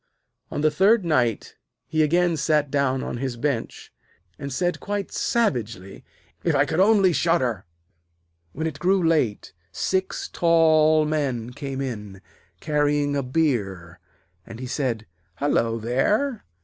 On the third night he again sat down on his bench, and said quite savagely: 'If only I could shudder!' When it grew late, six tall men came in, carrying a bier, and he said: 'Hullo there!